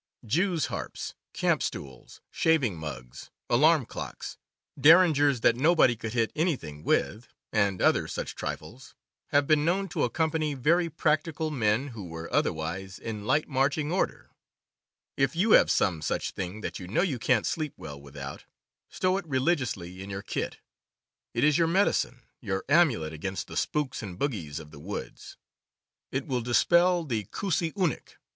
Jew's harps, camp stools, shaving mugs, alarm clocks, derringers that nobody could hit anything with, and other such trifles have been known to accompany very practical men who were otherwise in light marching order. If you have some such thing that you know you can't sleep well without, stow it religiously in your kit. It is your "medicine," your amulet against the spooks and bogies of the woods. It will dispel the koosy oonek.